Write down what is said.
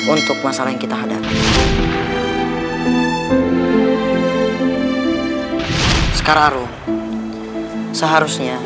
untuk memulihkan tenaganya